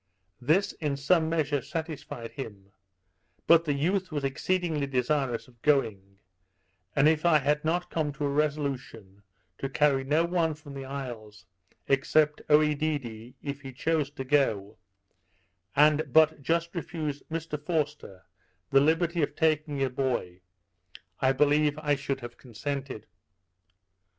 This in some measure satisfied him; but the youth was exceedingly desirous of going; and if I had not come to a resolution to carry no one from the isles (except Oedidee if he chose to go), and but just refused Mr Forster the liberty of taking a boy, I believe I should have consented.